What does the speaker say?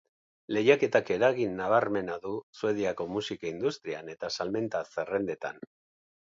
Lehiaketak eragin nabarmena du Suediako musika industrian eta salmenta zerrendetan.